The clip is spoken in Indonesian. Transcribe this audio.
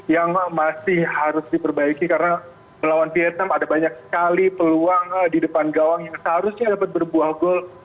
yang masih harus diperbaiki karena melawan vietnam ada banyak sekali peluang di depan gawang yang seharusnya dapat berbuah gol